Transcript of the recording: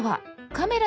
カメラ。